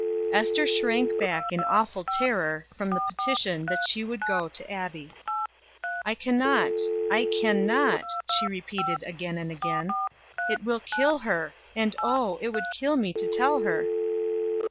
Ester shrank back in awful terror from the petition that she would go to Abbie. "I can not I can not!" she repeated again and again. "It will kill her; and oh! it would kill me to tell her."